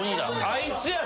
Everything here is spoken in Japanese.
あいつや。